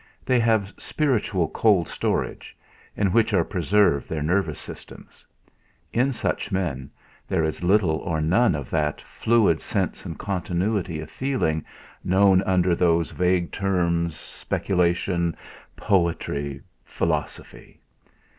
They have spiritual cold storage, in which are preserved their nervous systems. In such men there is little or none of that fluid sense and continuity of feeling known under those vague terms, speculation, poetry, philosophy.